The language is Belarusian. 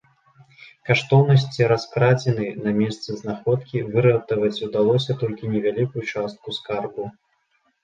Каштоўнасці раскрадзены на месцы знаходкі, выратаваць удалося толькі невялікую частку скарбу.